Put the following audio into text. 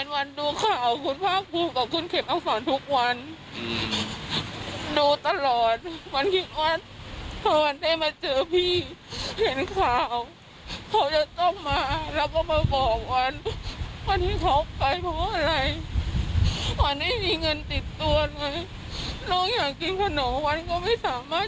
วันก็ไม่สามารถจะซื้อลูกได้ทั้งเนื้อทั้งตัวมันมีติดไว้แค่ร้อยสี่สิบหกบาท